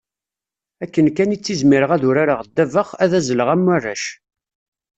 Akken kan i ttizmireɣ ad urareɣ ddabex, ad azleɣ am warrac.